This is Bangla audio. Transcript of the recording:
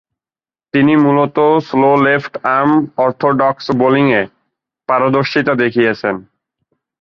তিনি মূলতঃ স্লো লেফট-আর্ম অর্থোডক্স বোলিংয়ে পারদর্শীতা দেখিয়েছেন।